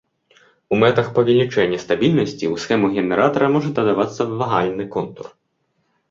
У мэтах павелічэння стабільнасці ў схему генератара можа дадавацца вагальны контур.